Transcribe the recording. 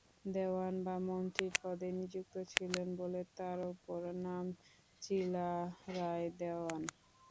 দেওয়ান বা মন্ত্রীর পদে নিযুক্ত ছিলেন বলে তার অপর নাম চিলারায় দেওয়ান।